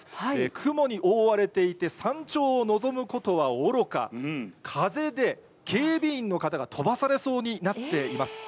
雲に覆われていて、山頂を望むことはおろか、風で警備員の方が飛ばされそうになっています。